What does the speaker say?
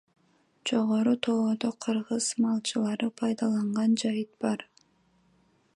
Жогору тоодо — кыргыз малчылары пайдаланган жайыт бар.